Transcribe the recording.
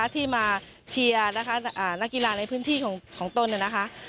ที่มาเชียร์นะคะนักกีฬาในพื้นที่ของตนนะคะ